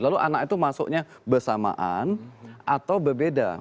lalu anak itu masuknya bersamaan atau berbeda